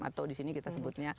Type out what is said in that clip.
atau di sini kita sebutnya